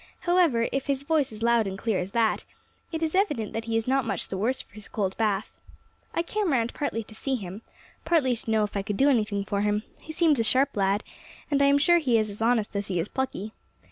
"However, if his voice is as loud and clear as that, it is evident that he is not much the worse for his cold bath. I came round partly to see him, partly to know if I could do anything for him; he seems a sharp lad, and I am sure he is as honest as he is plucky.